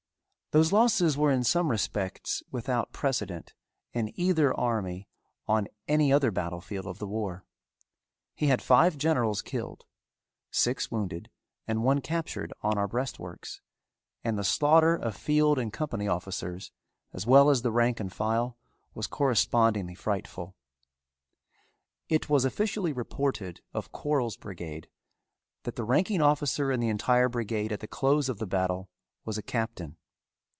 Those losses were in some respects without precedent in either army on any other battle field of the war. He had five generals killed, six wounded and one captured on our breastworks, and the slaughter of field and company officers, as well as of the rank and file, was correspondingly frightful. It was officially reported of Quarles's brigade that the ranking officer in the entire brigade at the close of the battle was a captain.